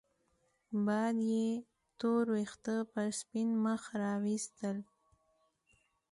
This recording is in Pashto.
باد يې تور وېښته پر سپين مخ راوستل